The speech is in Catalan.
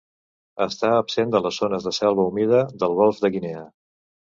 Està absent de les zones de selva humida del Golf de Guinea.